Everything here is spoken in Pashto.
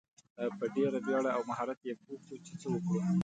په ډیره بیړه او مهارت یې پوه کړو چې څه وکړو.